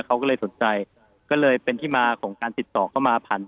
เขาก็เลยสนใจก็เลยเป็นที่มาของการติดต่อเข้ามาผ่าน